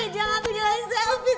jangan punya selfie